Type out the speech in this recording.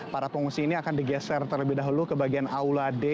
para pengungsi ini akan digeser terlebih dahulu ke bagian aula d